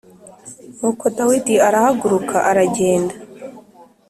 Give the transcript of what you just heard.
Nuko Dawidi arahaguruka aragenda